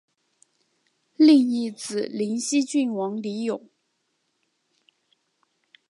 另一子灵溪郡王李咏。